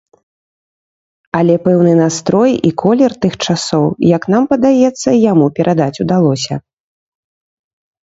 Але пэўны настрой і колер тых часоў, як нам падаецца, яму перадаць удалося.